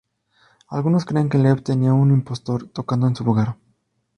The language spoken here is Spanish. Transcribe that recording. Algunos creen que Leeb tenía un impostor tocando en su lugar.